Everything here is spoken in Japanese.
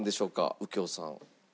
右京さん。